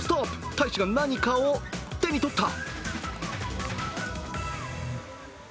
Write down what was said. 大使が何かを手に取った！